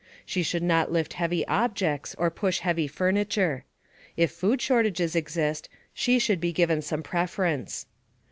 She should not lift heavy objects or push heavy furniture. If food shortages exist, she should be given some preference.